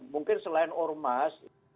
mungkin selain ormas